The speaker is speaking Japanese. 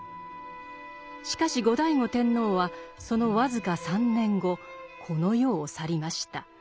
しかし後醍醐天皇はその僅か３年後この世を去りました。